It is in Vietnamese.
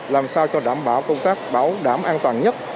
làm sao cho đảm bảo công tác bảo đảm an toàn nhất